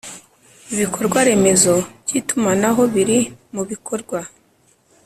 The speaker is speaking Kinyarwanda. ibikorwa remezo by itumanaho biri mubikorwa